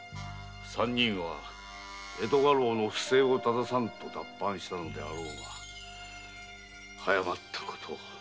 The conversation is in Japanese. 三人は江戸家老の不正をたださんと脱藩したのであろうが早まったことを。